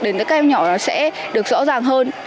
đến với các em nhỏ nó sẽ được rõ ràng hơn